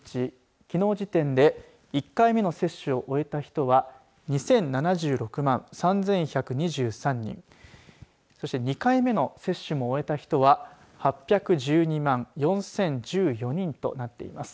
きのう時点で１回目の接種を終えた人は２０７６万３１２３人そして２回目の接種も終えた人は８１２万４０１４人となっています。